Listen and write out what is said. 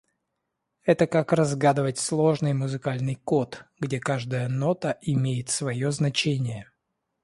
Это как разгадывать сложный музыкальный код, где каждая нота имеет свое значение.